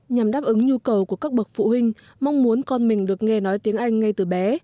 nhằm đáp ứng nhu cầu của các bậc phụ huynh mong muốn con mình được nghe nói tiếng anh ngay từ bé